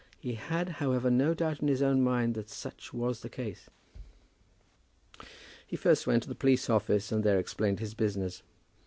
He had, however, no doubt in his own mind but that such was the case. He first went to the police office, and there explained his business.